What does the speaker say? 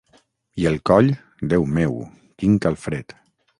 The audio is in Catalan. I el coll, Déu meu, quin calfred!